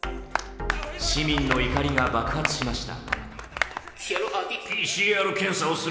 市民の怒りが爆発しました。